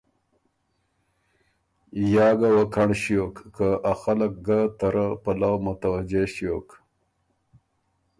یا ګۀ وکںړ ݭیوک که ا خلق ګۀ ته رۀ پلؤ متوجھ ݭیوک۔